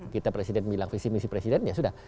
kita presiden bilang visi misi presiden ya sudah